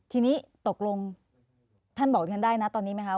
ทีนี้ตกลงท่านบอกดิฉันได้นะตอนนี้ไหมคะ